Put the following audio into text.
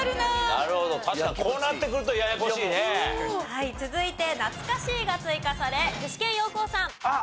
はい続いて「なつかしい」が追加され具志堅用高さん。